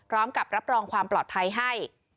ร้องกับรับรองความปลอดภัยให้